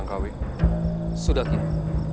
jangan lupa untuk berhenti